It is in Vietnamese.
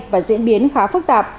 và diễn biến khá phức tạp